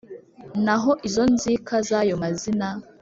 naho izo nzika z`ayo mazina